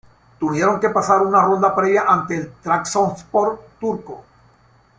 Tuvieron que pasar una ronda previa ante el Trabzonspor turco.